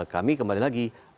kami kembali lagi